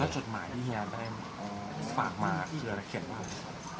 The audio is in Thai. แล้วจดหมายที่เฮียนฝากมาคืออะไรเขียนว่ะ